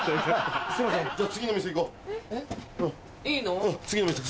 いいの？